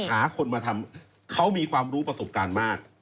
หาคนมาทำเขามีความรู้ประสบการณ์มาก